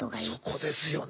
そこですよね。